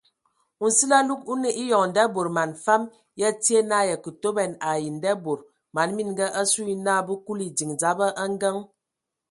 Nsili alug o nə eyɔŋ nda bod man fam ya tie na ya kə toban ai ndabod man mininga asu ye na bə kuli ediŋ dzaba a ngəŋ.